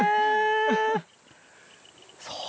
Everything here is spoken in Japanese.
そう。